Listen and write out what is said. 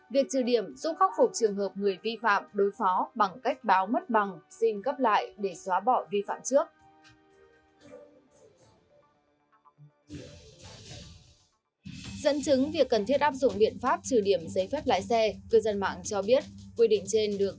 việc trừ điểm giúp khắc phục trường hợp người vi phạm đối phó bằng cách báo mất bằng xin cấp lại để xóa bỏ vi phạm trước